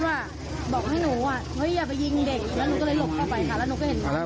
อ๋อแล้วไปเที่ยวไหนกันมา